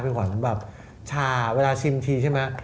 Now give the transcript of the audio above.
เมฝีควรแบบชาเวลาชิมทีใช่มะ